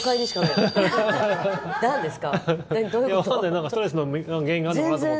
なんかストレスの原因があるのかなと思って。